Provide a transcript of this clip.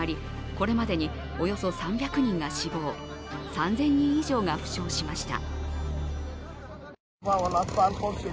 これまでにおよそ３００人が死亡、３０００人以上が負傷しました。